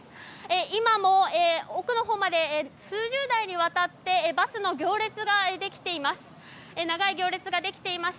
今も奥のほうまで数十台にわたってバスの行列ができています。